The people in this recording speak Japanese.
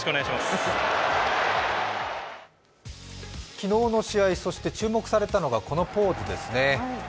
昨日の試合、そして注目されたのが、このポーズですね